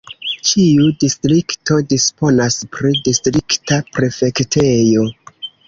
Ĉiu distrikto disponas pri distrikta prefektejo.